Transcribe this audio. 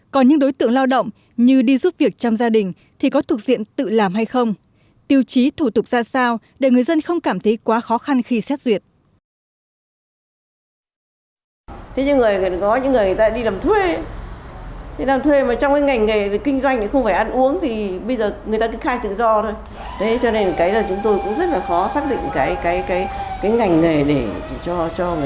còn những đối tượng lao động như đi giúp việc trong gia đình thì có thuộc diện tự làm hay không